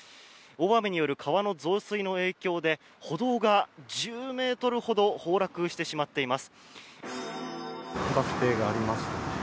大雨による川の増水の影響で歩道が１０ｍほど崩落してしまっています。